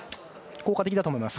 効果的だと思います。